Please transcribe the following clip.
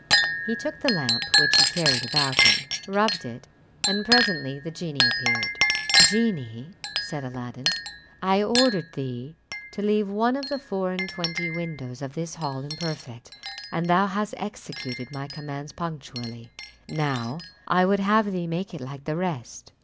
He took the lamp, which he carried about him, rubbed it, and presently the genie appeared. "Genie," said Aladdin, "I ordered thee to leave one of the four and twenty windows of this hall imperfect, and thou hast executed my commands punctually; now I would have thee make it like the rest."